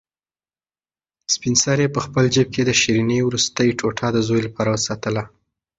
سپین سرې په خپل جېب کې د شیرني وروستۍ ټوټه د زوی لپاره وساتله.